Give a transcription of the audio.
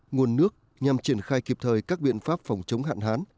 nguồn nước nhằm triển khai kịp thời các biện pháp phòng chống hạn hán